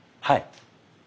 はい。